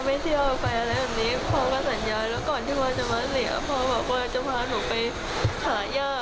แล้วก่อนที่วันจะมาเสียพ่อบอกว่าจะพาหนูไปหาแย่